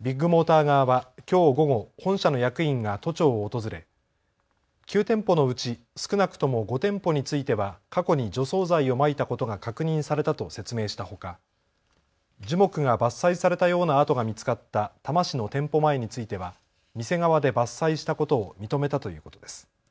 ビッグモーター側は、きょう午後本社の役員が都庁を訪れ９店舗のうち少なくとも５店舗については過去に除草剤をまいたことが確認されたと説明したほか樹木が伐採されたような跡が見つかった多摩市の店舗前については店側で伐採したことを認めたということです。